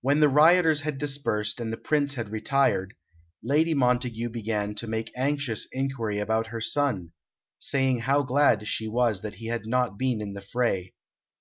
When the rioters had dispersed and the Prince had retired, Lady Montague began to make anxious inquiry about her son, saying how glad she was he had not been in the fray.